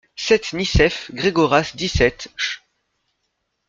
sept Nicéph, Gregoras, dix-sept, ch.